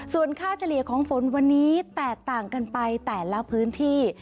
ส่วนค่าเฉลี่ยของฝนวันนี้แตกต่างกันไปแต่ละพื้นที่